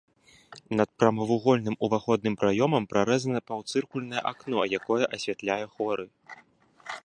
Над прамавугольным уваходным праёмам прарэзана паўцыркульнае акно, якое асвятляе хоры.